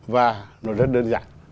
và nó rất đơn giản